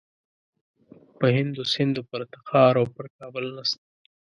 په هند و سند و پر تخار او پر کابل نسته.